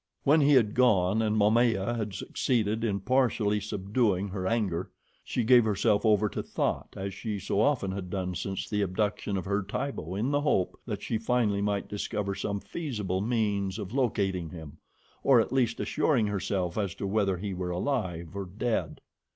When he had gone and Momaya had succeeded in partially subduing her anger, she gave herself over to thought, as she so often had done since the abduction of her Tibo, in the hope that she finally might discover some feasible means of locating him, or at least assuring herself as to whether he were alive or dead.